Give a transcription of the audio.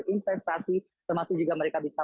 investasi termasuk juga mereka bisa